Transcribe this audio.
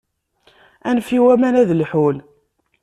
Anef i waman ad lḥun.